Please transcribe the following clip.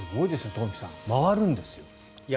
トンフィさん、回るんですよ。